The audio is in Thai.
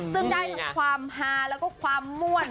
ซึ่งได้ความหาแล้วก็ความมวล